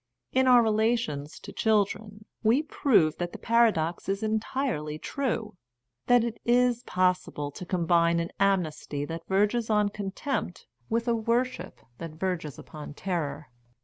In our relations to children we prove that the paradox is entirely true, that it is possible to combine an amnesty that verges on contempt with a worship that verges upon terror.